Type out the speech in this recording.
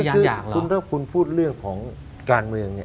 คือถ้าคุณพูดเรื่องของการเมือง